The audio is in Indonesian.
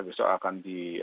besok akan disimpulkan